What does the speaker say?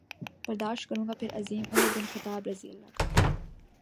برداشت کروں گا پھر عظیم عمر بن الخطاب رض کا